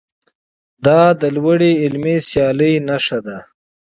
دا د لوړې علمي سیالۍ نښه ده.